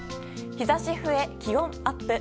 日差し増え、気温アップ。